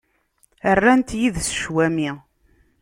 Rnant yid-s cwami.